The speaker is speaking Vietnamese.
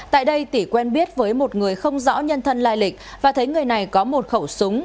tại đây tỉ quen biết với một người không rõ nhân thân lai lịch và thấy người này có một khẩu súng